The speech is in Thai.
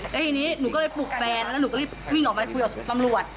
แล้วทีนี้หนูก็เลยปลุกแฟนแล้วหนูก็รีบวิ่งออกไปคุยกับตำรวจ